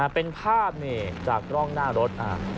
เป็นภาพจากกล้องหน้ารถ